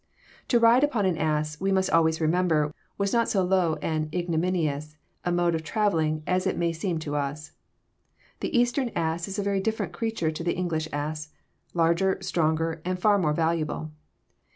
To ride upon an ass, we must always remember, was not so low and ignominious a mode of travelling as it may seem to Qs. The Eastern ass is a very different creature to the English ass, larger, stronger, and far more valuable.